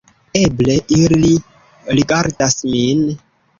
Eble ili rigardas min.